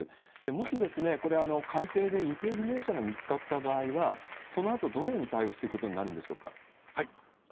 もしこれ、海底で行方不明者が見つかった場合は、そのあとどのように対応していくことになるんでしょうか。